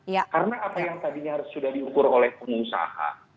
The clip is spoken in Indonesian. karena apa yang tadinya sudah diukur oleh pengusaha